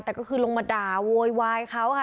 แต่ก็คือลงมาด่าโวยวายเขาค่ะ